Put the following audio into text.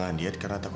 terima kasih pak